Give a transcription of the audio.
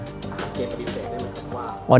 อาหารเก็บประวัติศาสตร์ได้ไหมครับ